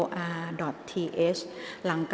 กรรมการท่านที่สามได้แก่กรรมการใหม่เลขหนึ่งค่ะ